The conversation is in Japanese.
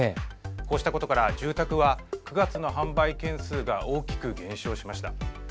こうしたことから住宅は９月の販売件数が大きく減少しました。